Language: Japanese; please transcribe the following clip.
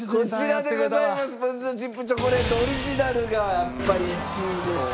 ポテトチップチョコレートオリジナルがやっぱり１位でした。